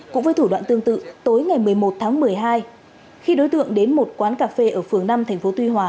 cũng với thủ đoạn tương tự tối ngày một mươi một tháng một mươi hai khi đối tượng đến một quán cà phê ở phường năm tp tuy hòa